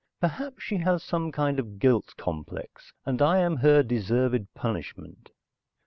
Perhaps she has some kind of guilt complex, and I am her deserved punishment?